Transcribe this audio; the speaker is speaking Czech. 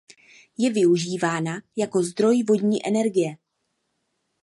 Je využívána jako zdroj vodní energie.